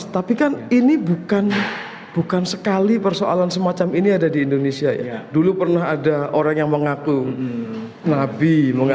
tapi kan ini bukan bukan sekali persoalan semacam ini ada di indonesia ya dulu pernah ada orang yang mengaku nabi